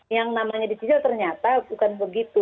yang namanya dicicil ternyata bukan begitu